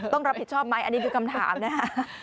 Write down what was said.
ต้องรับผิดชอบไหมอันนี้คือคำถามนะฮะ